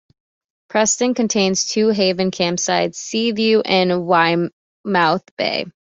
Preston contains two Haven campsites, Seaview and Weymouth Bay.